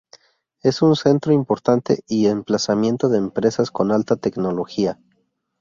Es un centro importante y emplazamiento de empresas con alta tecnología.